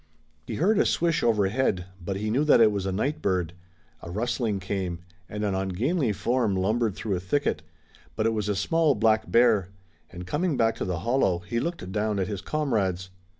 He heard a swish overhead, but he knew that it was a night bird, a rustling came, and an ungainly form lumbered through a thicket, but it was a small black bear, and coming back to the hollow, he looked down at his comrades.